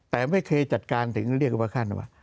แต่ไม่เคยจัดการถึงเรียกว่า